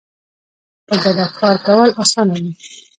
په ګډه کار کول اسانه وي